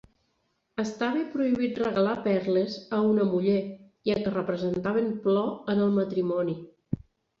Estava prohibit regalar perles a una muller, ja que representaven plor en el matrimoni.